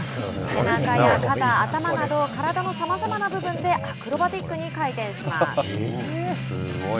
背中や肩、頭など体のさまざまな部分でアクロバティックに回転します。